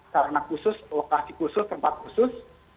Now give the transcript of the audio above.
karena khusus lokasi khusus tempat khusus